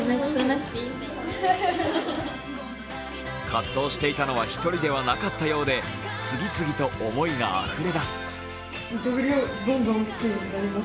葛藤していたのは１人ではなかったようで、次々と思いがあふれ出す。